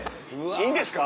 いいんですか？